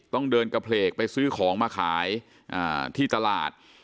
ต้องเดินกระเพลกไปซื้อของมาขายที่ตลาด